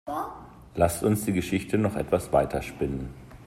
Lasst uns die Geschichte noch etwas weiter spinnen.